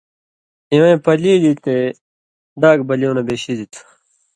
اِوَیں پلیل یی تے ڈاگ بلیُوں نہ بے شِدیۡ تھہ۔